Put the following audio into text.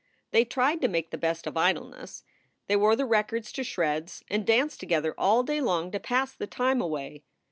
They tried to make the best of idleness. They wore the records to shreds and danced together all day long to pass the time away.